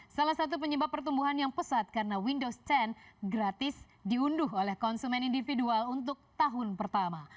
salah satu penyebab pertumbuhan yang pesat karena windows sepuluh gratis diunduh oleh konsumen individual untuk tahun pertama